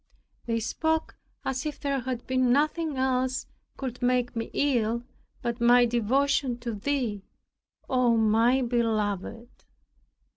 They spoke as if there had been nothing else could make me ill, but my devotion to Thee, O my Beloved!